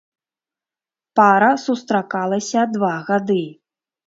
Пара сустракалася два гады.